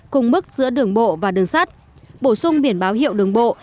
cùng mức giữa đường bộ và đường sắt bổ sung biển báo hiệu đường bộ